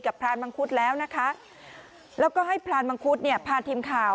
กับพรานมังคุดแล้วแล้วก็ให้พรานมังคุดพาทีมข่าว